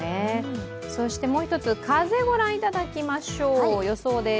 もう一つ、風をご覧いただきましょう、予想です。